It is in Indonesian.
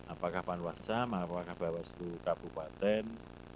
apakah panwassam apakah bawaslu kabupaten